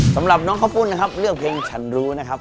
สำหรับน้องข้าวปุ้นนะครับเลือกเพลงฉันรู้นะครับ